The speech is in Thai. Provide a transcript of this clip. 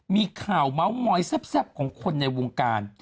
มีข่าวเมาส์มอยแซ่บของคนในวงการ